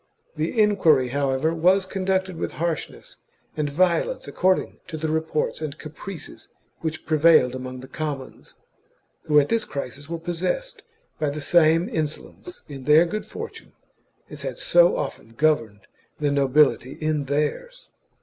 The enquiry, however, was conducted with harshness and violence THE JUGURTHINE WAR. l6j according to the reports and caprices which prevailed chap. among the commons, who at this crisis were possessed by the same insolence in their good fortune as had so often governed the nobility in theirs.